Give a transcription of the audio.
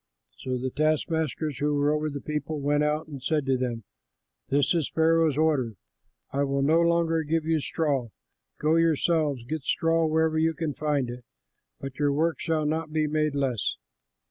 So the taskmasters who were over the people went out and said to them, "This is Pharaoh's order, 'I will no longer give you straw. Go yourselves, get straw wherever you can find it; but your work shall not be made less.'"